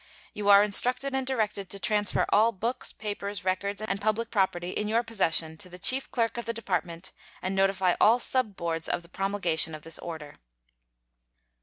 You are instructed and directed to transfer all books, papers, records, and public property in your possession to the chief clerk of the Department, and notify all sub boards of the promulgation of this order.